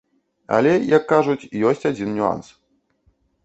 Але, як кажуць, ёсць адзін нюанс.